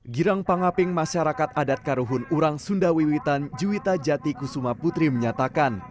girang pangaping masyarakat adat karuhun orang sundawiwitan juwita jati kusuma putri menyatakan